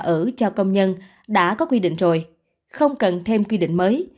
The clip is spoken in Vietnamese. ở cho công nhân đã có quy định rồi không cần thêm quy định mới